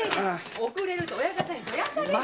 遅れると親方にどやされるよ。